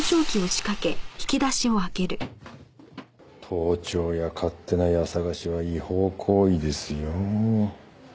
盗聴や勝手な家捜しは違法行為ですよ。